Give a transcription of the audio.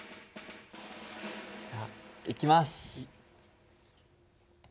じゃあいきます！